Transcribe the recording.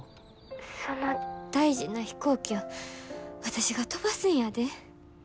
その大事な飛行機を私が飛ばすんやで。